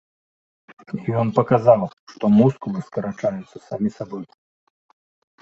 Ён паказаў, што мускулы скарачаюцца самі сабой.